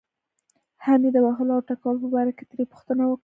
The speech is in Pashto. هم یې د وهلو او ټکولو په باره کې ترې پوښتنه وکړه.